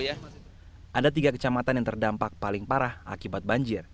ada tiga kecamatan yang terdampak paling parah akibat banjir